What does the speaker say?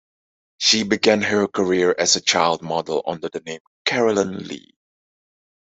She began her career as a child model under the name Carolyn Lee.